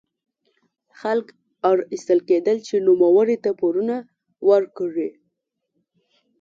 خلک اړ ایستل کېدل چې نوموړي ته پورونه ورکړي.